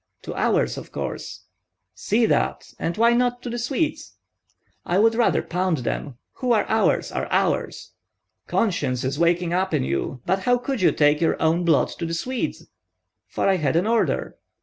"To ours, of course." "See that! And why not to the Swedes?" "I would rather pound them. Who are ours, are ours!" "Conscience is waking up in you. But how could you take your own blood to the Swedes?" "For I had an order."